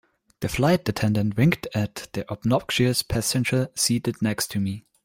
The flight attendant winked at the obnoxious passenger seated next to me.